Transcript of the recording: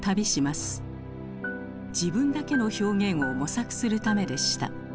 自分だけの表現を模索するためでした。